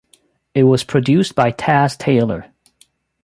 It was produced by Taz Taylor.